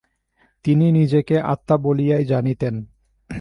তিনি নিজেকে আত্মা বলিয়াই জানিতেন।